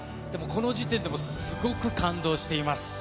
この時点でもすごく感動しています。